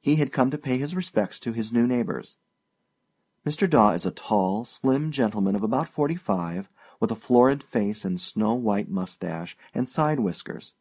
He had come to pay his respects to his new neighbors. Mr. Daw is a tall, slim gentleman of about fifty five, with a florid face and snow white mustache and side whiskers.